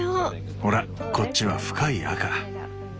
ほらこっちは深い赤。